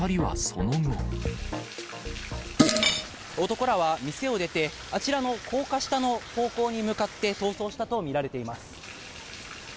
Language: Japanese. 男らは店を出て、あちらの高架下の方向に向かって逃走したと見られています。